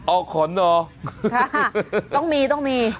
อ๋อออกขนหรอต้องมีต้องมี